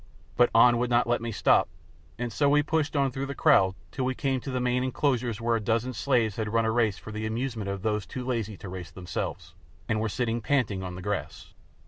But An would not let me stop, and so we pushed on through the crowd till we came to the main enclosures where a dozen slaves had run a race for the amusement of those too lazy to race themselves, and were sitting panting on the grass.